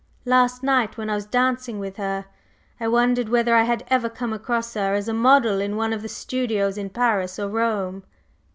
Last night when I was dancing with her, I wondered whether I had ever come across her as a model in one of the studios in Paris or Rome."